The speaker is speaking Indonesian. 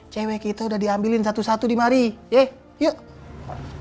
cewek kita udah diambilin satu satu di mari ya yuk